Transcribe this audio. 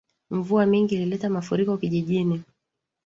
Mvua mingi ilileta mafuriko kijijini